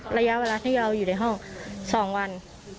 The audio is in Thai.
ระยะเวลาที่เราอยู่ในห้อง๒วัน